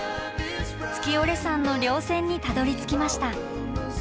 月居山の稜線にたどりつきました。